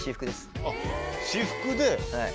私服で。